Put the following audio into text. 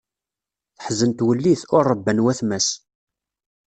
Teḥzen twellit, ur ṛebban watma-s.